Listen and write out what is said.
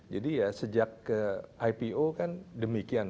jadi ya sejak ipo kan demikian